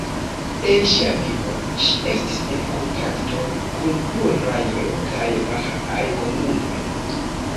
En ŝia vivo ŝi estis en kontakto kun pluraj lokaj bahaaj komunumoj.